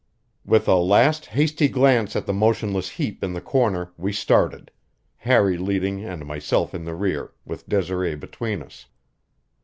With a last hasty glance at the motionless heap in the corner we started, Harry leading and myself in the rear, with Desiree between us.